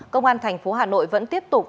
công an thành phố hà nội vẫn tiếp tục